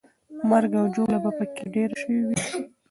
مرګ او ژوبله به پکې ډېره سوې وي.